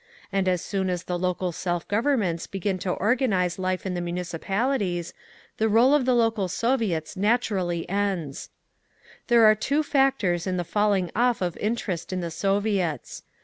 And as soon as the local Self Governments begin to organise life in the Municipalities, the rôle of the local Soviets naturally ends…. "… There are two factors in the falling off of interest in the Soviets.